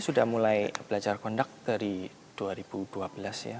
sudah mulai belajar konduk dari dua ribu dua belas ya